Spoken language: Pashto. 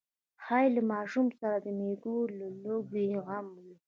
ښايي له ماشوم سره د مېږو د لوږې غم و.